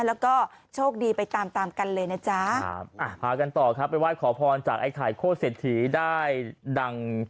แล้วก็โชคดีไปตามกันเลยนะจ๊ะ